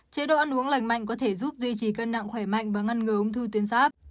chế độ ăn uống lành mạnh có thể giúp duy trì cân nặng khỏe mạnh và ngăn ngừa ung thư tuyến sáp